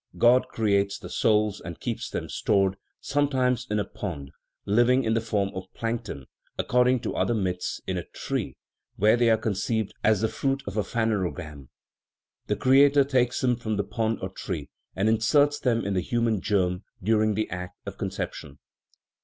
God cre ates the souls, and keeps them stored sometimes in a pond (living in the form of plankton), according to other myths in a tree (where they are conceived as the fruit , of a phanerogam) ; the Creator takes them from the pond or tree, and inserts them in the human germ dur ing the act of conception.